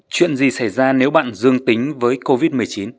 chuyện gì xảy ra nếu bạn dương tính với covid một mươi chín